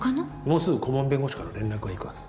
もうすぐ顧問弁護士から連絡がいくはず。